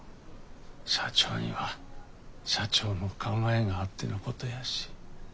社長には社長の考えがあってのことやし。